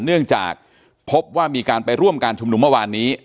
เนื่องจากพบว่ามีการไปร่วมการชุมนุมเมื่อวานนี้